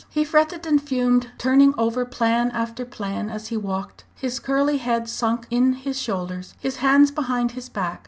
He fretted and fumed, turning over plan after plan as he walked, his curly head sunk in his shoulders, his hands behind his back.